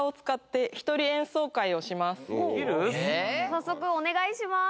早速お願いします。